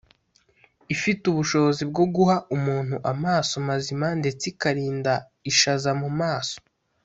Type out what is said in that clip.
Ifite ubushobozi bwo guha umuntu amaso mazima ndetse ikarinda ishaza mu maso